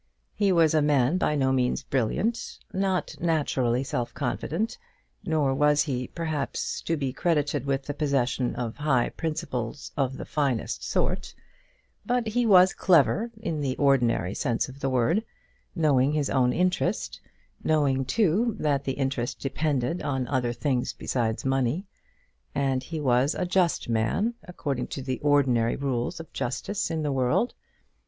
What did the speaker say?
He was a man by no means brilliant, not naturally self confident, nor was he, perhaps, to be credited with the possession of high principles of the finest sort; but he was clever, in the ordinary sense of the word, knowing his own interest, knowing, too, that that interest depended on other things besides money; and he was a just man, according to the ordinary rules of justice in the world.